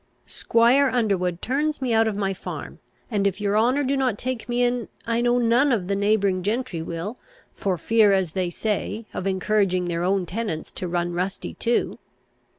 Squire Underwood turns me out of my farm; and if your honour do not take me in, I know none of the neighbouring gentry will, for fear, as they say, of encouraging their own tenants to run rusty too."